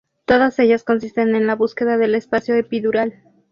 Todas ellas consisten en la búsqueda del espacio epidural.